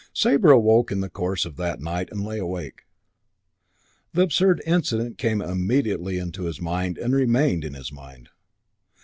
IX Sabre awoke in the course of that night and lay awake. The absurd incident came immediately into his mind and remained in his mind.